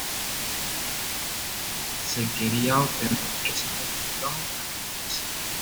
Si quería obtener esa confesión, la respuesta es sí.